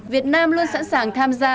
việt nam luôn sẵn sàng tham gia